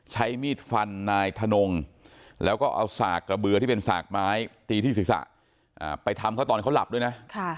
ใช้มีดฟันนายทนงแล้วก็เอาสากกระเบือที่เป็นสากไม้ตีที่ศีรษะไปทำเขาตอนเขาหลับด้วยนะ